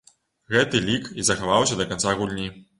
Гэты лік і захаваўся да канца гульні.